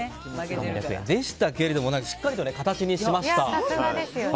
でしたけれどもしっかりと形にしましたね。